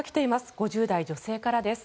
５０代女性からです。